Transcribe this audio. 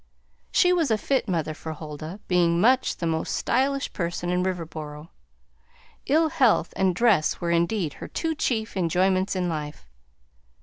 She was a fit mother for Huldah, being much the most stylish person in Riverboro; ill health and dress were, indeed, her two chief enjoyments in life.